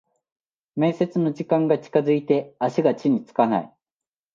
面接の時間が近づいて足が地につかない